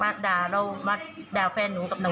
พรัสด่าเรามาด่าแฟนนั้นกับหนู